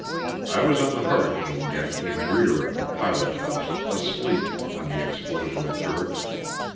I was on the hurricane deck in rear of the pilothouse, asleep, when the explosion occurred.